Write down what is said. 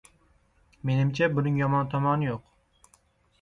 Menimcha, buning yomon tomoni yo‘q.